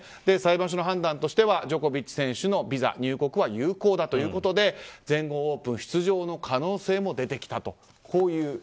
裁判所の判断としてはジョコビッチ選手のビザ、入国は有効だということで全豪オープン出場の可能性も出てきたという。